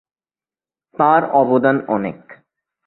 তাঁর অবদান অনেক।